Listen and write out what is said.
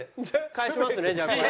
返しますねじゃあこれ。